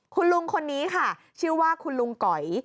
คุณลุงคนนี้ค่ะชื่อว่าคุณลุงก๋อย